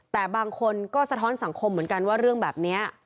แต่บางคนก็สะท้อนสังคมเหมือนกันว่าเรื่องแบบนี้